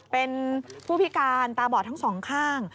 เป็นผู้พิการตาบอดทั้งสองข้าง